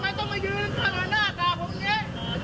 จะพูดให้จริงทั้งหมดให้รกกล้องมือผม